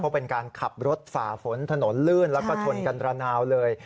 เพราะเป็นการขับรถฝ่าฝนถนนลื่นแล้วก็ชนกันระนาวเลย